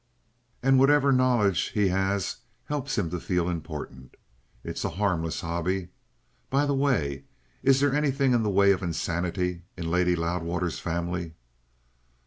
And whatever knowledge he has helps him to feel important. It's a harmless hobby. By the way, is there anything in the way of insanity in Lady Loudwater's family?"